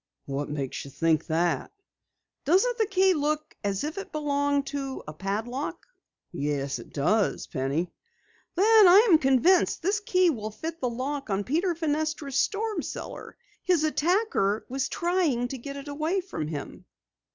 "What makes you think that?" "Doesn't the key look as if it belonged to a padlock?" "Yes, it does, Penny." "Then I am convinced this key will fit the lock on Peter Fenestra's storm cellar! His attacker was trying to get it away from him!"